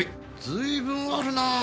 随分あるなぁ